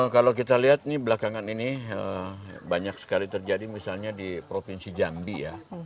kalau kita lihat nih belakangan ini banyak sekali terjadi misalnya di provinsi jambi ya